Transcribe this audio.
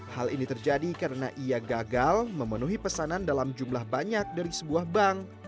hal ini terjadi karena ia gagal memenuhi pesanan dalam jumlah banyak dari sebuah bank